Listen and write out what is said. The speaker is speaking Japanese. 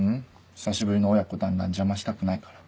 久しぶりの親子だんらん邪魔したくないから。